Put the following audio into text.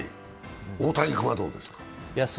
大谷君はどうです？